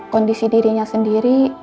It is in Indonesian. kondisi dirinya sendiri